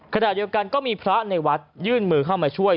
ขณะเดียวกันก็มีพระในวัดยื่นมือเข้ามาช่วย